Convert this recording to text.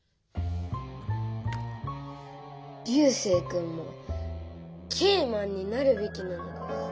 流星君もＫマンになるべきなのです。